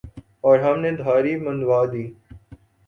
اور ہم نے دھاڑی منڈوادی ۔